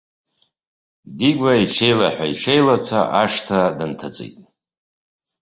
Дигәа иҽеилаҳәа-иҽеилаца ашҭа дынҭыҵит.